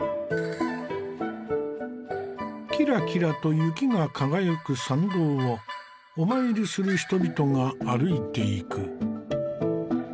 キラキラと雪が輝く参道をお参りする人々が歩いていく。